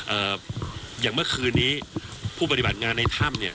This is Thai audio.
อย่างเมื่อคืนนี้ผู้ปฏิบัติงานในถ้ำเนี่ย